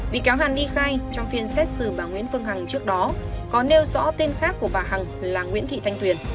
bị cáo hàn ni khai trong phiên xét xử bà nguyễn phương hằng trước đó có nêu rõ tên khác của bà hằng là nguyễn thị thanh tuyền